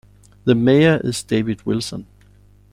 The mayor is David Willson.